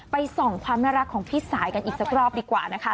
ส่องความน่ารักของพี่สายกันอีกสักรอบดีกว่านะคะ